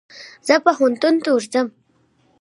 زه پوهنتون ته ورځم.